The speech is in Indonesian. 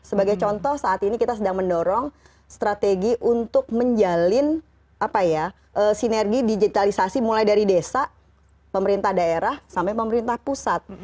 sebagai contoh saat ini kita sedang mendorong strategi untuk menjalin sinergi digitalisasi mulai dari desa pemerintah daerah sampai pemerintah pusat